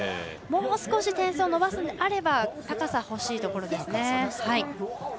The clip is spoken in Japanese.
もう少し点数を伸ばすなら高さ欲しいところですね。